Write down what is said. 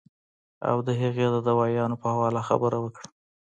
او د هغې د دوايانو پۀ حواله خبره اوکړم